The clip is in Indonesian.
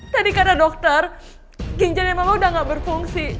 tadi karena dokter ginjalnya mama udah gak berfungsi